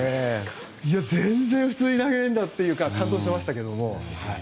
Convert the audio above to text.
全然、普通に投げられるんだというか感動してましたけど。